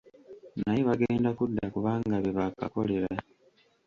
Naye bagenda kudda kubanga be baakakolera.